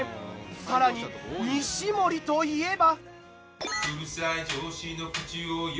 更に西森といえば。